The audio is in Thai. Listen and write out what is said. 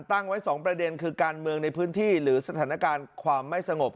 ตั้งไว้๒ประเด็นคือการเมืองในพื้นที่หรือสถานการณ์ความไม่สงบ